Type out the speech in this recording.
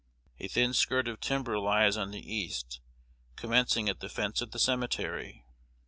A thin skirt of timber lies on the east, commencing at the fence of the cemetery.